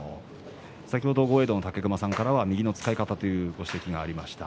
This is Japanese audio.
先ほど豪栄道の武隈さんからは右の使い方という話がありました。